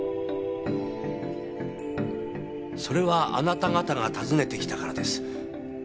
それはあなた方が訪ねて来たからです。